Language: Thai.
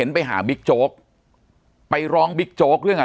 ปากกับภาคภูมิ